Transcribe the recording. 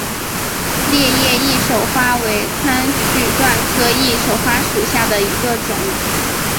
裂叶翼首花为川续断科翼首花属下的一个种。